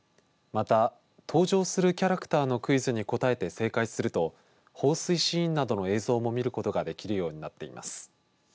また登場するキャラクターのクイズに答えて正解すると、放水シーンなどの映像も見ることができるようになっています。